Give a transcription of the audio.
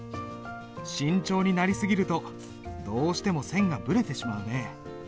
慎重になり過ぎるとどうしても線がぶれてしまうね。